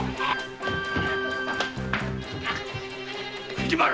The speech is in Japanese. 藤丸！